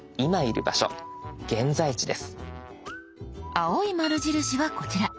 青い丸印はこちら。